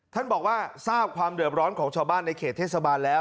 ท่านบอกว่าทราบความเดือบร้อนของชาวบ้านในเขตเทศบาลแล้ว